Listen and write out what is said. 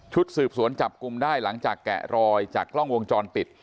สืบสวนจับกลุ่มได้หลังจากแกะรอยจากกล้องวงจรปิด